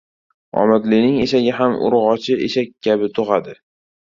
• Omadlining eshagi ham urg‘ochi eshak kabi tug‘adi.